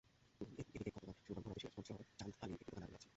এদিকে গতকাল শনিবার ভোররাতে সিরাজগঞ্জ শহরের চান্দ আলীর একটি দোকানে আগুন লাগে।